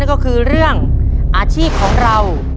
ก็คือเรื่องอาชีพของเรา